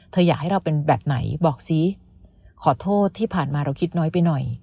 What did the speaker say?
อยากให้เราเป็นแบบไหนบอกสิขอโทษที่ผ่านมาเราคิดน้อยไปหน่อย